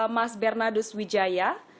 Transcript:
mas bernardus wijaya